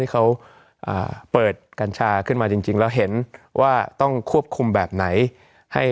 เขาเปิดกัญชาขึ้นมาจริงแล้วเห็นว่าต้องควบคุมแบบไหนให้